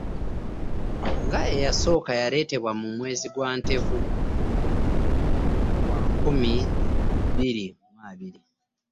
Nga eyasooka yaleetebwa mu mwezi gwa Ntenvu wa nkumi bbiri mu abiri